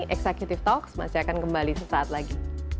executive talks masih akan kembali sesaat lagi